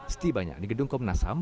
setibanya di gedung komnas ham